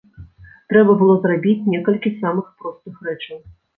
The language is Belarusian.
Трэба было зрабіць некалькі самых простых рэчаў.